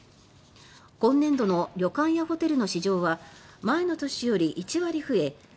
今年度の旅館やホテルの市場は前の年より１割増え